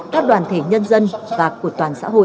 các đoàn thể nhân dân và của toàn xã hội